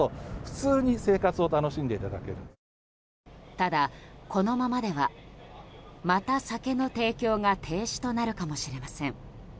ただ、このままではまた酒の提供が停止となるかもしれません。